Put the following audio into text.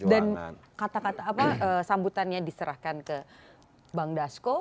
dan kata kata apa sambutannya diserahkan ke bang dasko